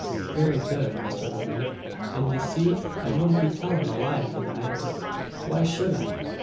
"Very good, Misther Hogan; and ye see I wouldn't be telling a lie for the matter why should I?"